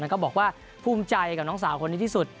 ก็บอกว่าภูมิใจกับน้องสาวคนนี้ที่สุด